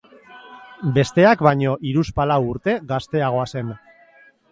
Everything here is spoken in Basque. Besteak baino hiruzpalau urte gazteagoa zen.